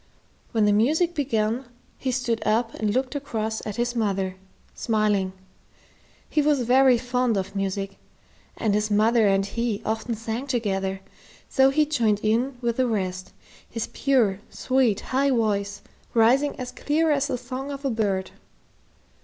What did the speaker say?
When the music began, he stood up and looked across at his mother, smiling. He was very fond of music, and his mother and he often sang together, so he joined in with the rest, his pure, sweet, high voice rising as clear as the song of a bird.